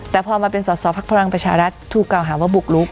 แต่พอมาเป็นสอสอพักพลังประชารัฐถูกกล่าวหาว่าบุกลุก